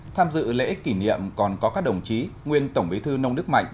tham dự lễ kỷ niệm còn có các đồng chí nguyên tổng bí thư nông đức mạnh